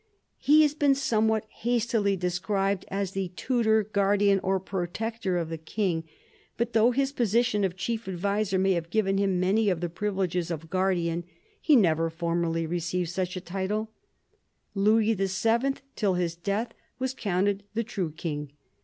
He has been somewhat hastily described as the tutor, guardian, or protector of the king, but though his posi tion of chief adviser may have given him many of the privileges of guardian, he never formally received such a title. Louis VII. till his death was counted the true king.